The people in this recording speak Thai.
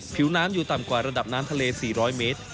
ผิวน้ำอยู่ต่ำกว่าระดับน้ำทะเล๔๐๐เมตร